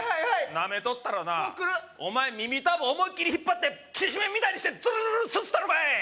ナメとったらなお前耳たぶ思いっきり引っ張ってきしめんみたいにしてズルズルすすったろかい！